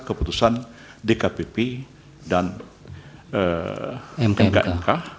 keputusan dkpp dan mkmk